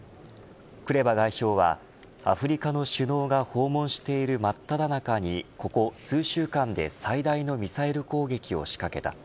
クレバ外相はアフリカの首脳が訪問しているまっただ中にここ数週間で最大のミサイル攻撃を仕掛けた。